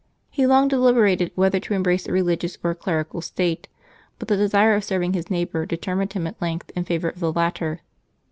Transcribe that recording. He long deliberated whether to embrace a religious or a clerical state: but the desire of serving his neighbor determined him at length in favor of the latter.